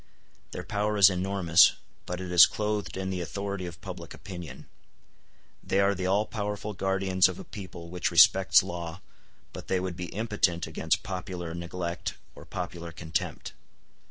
Their power is enormous, but it is clothed in the authority of public opinion. They are the all powerful guardians of a people which respects law, but they would be impotent against popular neglect or popular contempt.